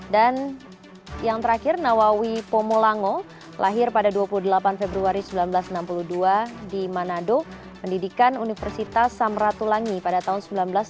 dan yang terakhir nawawi pomo lango lahir pada dua puluh delapan februari seribu sembilan ratus enam puluh dua di manado pendidikan universitas samratulangi pada tahun seribu sembilan ratus delapan puluh enam